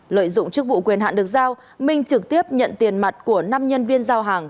lợi dụng chức vụ quyền hạn được giao minh trực tiếp nhận tiền mặt của năm nhân viên giao hàng